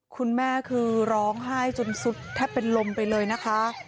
คุณแม่คือร้องไห้จนสุดแทบเป็นลมไปเลยนะคะ